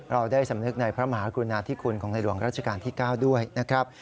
เราได้สำนึกในพระมหากรุณาธิคุณของในหลวงราชการที่๙ด้วยนะครับ